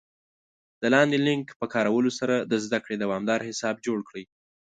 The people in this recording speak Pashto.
د لاندې لینک په کارولو سره د زده کړې دوامدار حساب جوړ کړئ